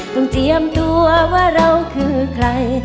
ต้องเจียมตัวว่าเราคือใคร